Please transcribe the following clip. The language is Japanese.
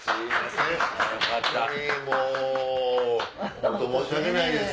本当申し訳ないです。